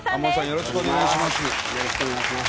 よろしくお願いします。